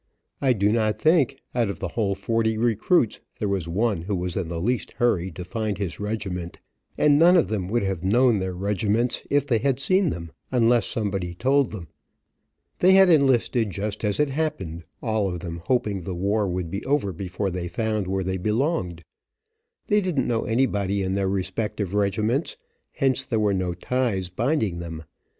I do not think, out of the whole forty recruits, there was one who was in the least hurry to find his regiment, and none of them would have known their regiments if they had seen them, unless somebody told them. They had enlisted just as it happened, all of them hoping the war would be over before they found where they belonged. They didn't know anybody in their respective regiments, hence there were no ties binding them.